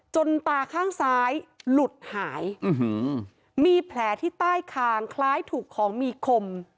ตาข้างซ้ายหลุดหายมีแผลที่ใต้คางคล้ายถูกของมีคม